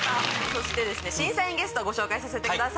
そしてですね審査員ゲストご紹介させてください。